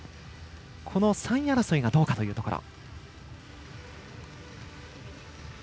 この３位争いがどうかというところ。